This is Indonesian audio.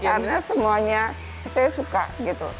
karena semuanya saya suka gitu